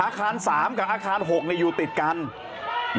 อาคาร๓กับอาคาร๖อยู่ติดกัน